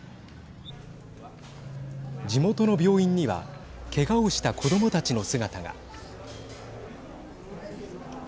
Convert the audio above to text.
地元の病院にはけがをした子どもたちの姿が。